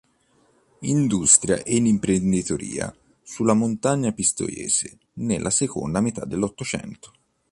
Industria ed imprenditoria sulla Montagna Pistoiese nella seconda metà dell'Ottocento".